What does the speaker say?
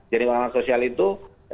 jaring pengaman sosial itu